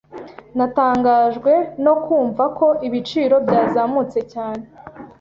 Natangajwe no kumva ko ibiciro byazamutse cyane.